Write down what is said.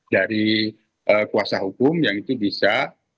dari kuasa hukum yang itu bisa